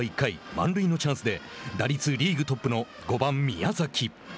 満塁のチャンスで打率リーグトップの、５番宮崎。